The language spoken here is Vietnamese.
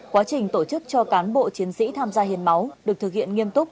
quá trình tổ chức cho cán bộ chiến sĩ tham gia hiến máu được thực hiện nghiêm túc